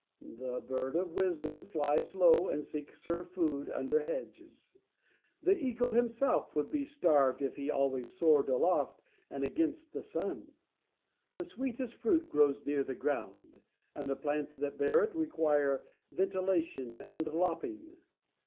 The bird of wisdom 'flies low, and seeks her food under hedges : the eagle himself would be starved if he always soared aloft and against the sun. The sweetest fruit grows near the ground, and the plants that bear it require ventilation and lopping.